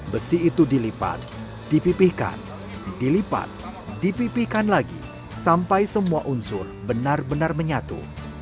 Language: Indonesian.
besi itu dilipat dipipihkan dilipat dipipihkan lagi sampai semua unsur benar benar menyatu